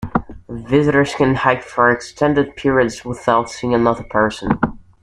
Visitors can hike for extended periods without seeing another person.